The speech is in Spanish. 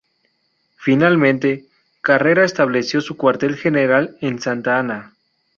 Finalmente, Carrera estableció su cuartel general en Santa Ana.